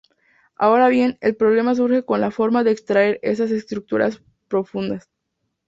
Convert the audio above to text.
Ahora bien, el problema surge con la forma de extraer esas estructuras profundas.